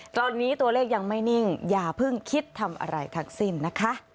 ตอนนี้ตัวเลขยังไม่นิ่งอย่าเพิ่งคิดทำอะไรทั้งสิ้นนะคะ